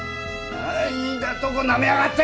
何だとなめやがって！